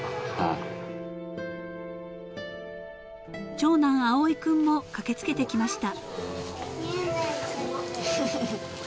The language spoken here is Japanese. ［長男葵君も駆け付けてきました］